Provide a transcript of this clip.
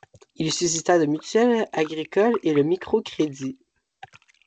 Il suscita des mutuelles agricoles et le micro crédit.